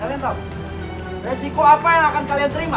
kalian tahu resiko apa yang akan kalian terima